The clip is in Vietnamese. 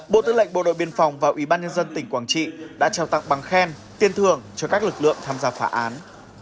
bộ tư lệnh bộ đội biên phòng và ủy ban nhân dân tỉnh quảng trị đã trao tặng bằng khen tiền thưởng cho các lực lượng tham gia phả án